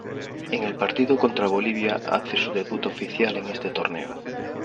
En el partido contra Bolivia hace su debut oficial en este torneo.